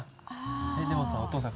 えっでもさお父さん